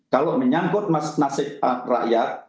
kalau menyangkut nasib rakyat